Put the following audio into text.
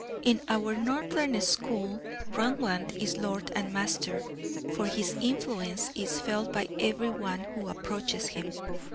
In our northern school Rembrandt is lord and master, for his influence is felt by every one who approaches him.